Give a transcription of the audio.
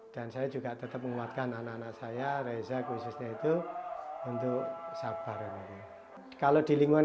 saya juga tetap menguatkan anak anak saya reza khususnya itu untuk sabar kalau di lingkungan